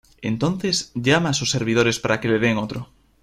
Entonces llama a sus servidores para que le den otro.